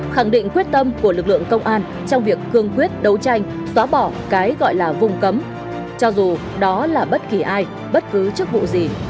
khẳng định quyết tâm của lực lượng công an trong việc cương quyết đấu tranh xóa bỏ cái gọi là vùng cấm cho dù đó là bất kỳ ai bất cứ chức vụ gì